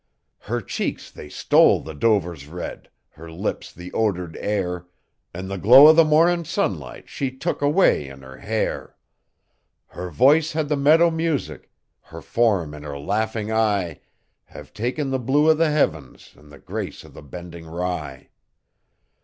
Her cheeks they stole the dover's red, her lips the odoured air, An' the glow o' the morning sunlight she took away in her hair; Her voice had the meadow music, her form an' her laughing eye Have taken the blue o' the heavens an' the grace o' the bending rye.